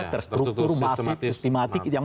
terstruktur basit sistematik yang